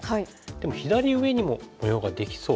でも左上にも模様ができそう。